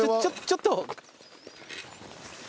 ちょっと。